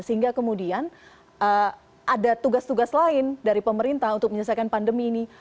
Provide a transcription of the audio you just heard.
sehingga kemudian ada tugas tugas lain dari pemerintah untuk menyelesaikan pandemi ini